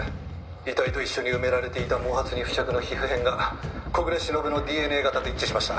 「遺体と一緒に埋められていた毛髪に付着の皮膚片が小暮しのぶのＤＮＡ型と一致しました」